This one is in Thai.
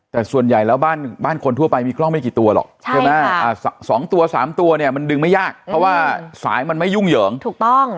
แต่ส่วนใหญ่แล้วบ้านคนทั่วไปมีกล้องไม่กี่ตัวหรอกใช่ไหม๒ตัว๓ตัวเนี่ยมันดึงไม่ยากเพราะว่าสายมันไม่ยุ่งเหยิงถูกต้อง